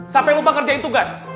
sampai lupa ngerjain tugas